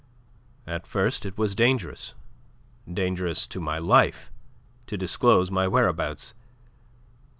"At first it was dangerous dangerous to my life to disclose my whereabouts.